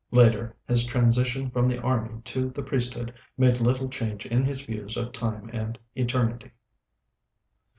Later, his transition from the army to the priesthood made little change in his views of time and eternity.